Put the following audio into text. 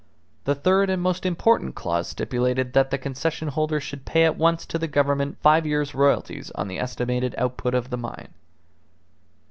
The third and most important clause stipulated that the concession holder should pay at once to the Government five years' royalties on the estimated output of the mine.